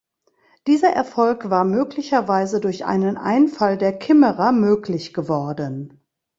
Dieser Erfolg war möglicherweise durch einen Einfall der Kimmerer möglich geworden.